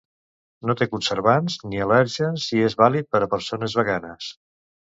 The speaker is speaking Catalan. No té conservants ni al·lèrgens i és vàlid per a persones veganes.